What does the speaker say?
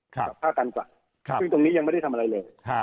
ฆ่าการกลั่น